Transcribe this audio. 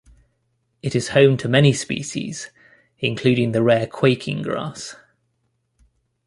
It is home to many species, including the rare quaking grass.